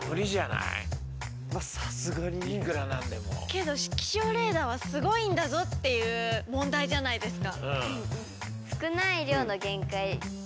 けど気象レーダーはすごいんだぞっていう問題じゃないですか。